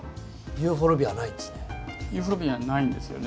ユーフォルビアはないんですよね。